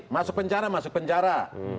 masuk penjara masuk penjara